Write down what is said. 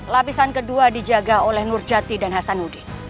lapisan kedua dijaga oleh nurjati dan hasanudi